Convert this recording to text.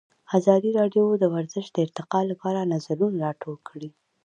ازادي راډیو د ورزش د ارتقا لپاره نظرونه راټول کړي.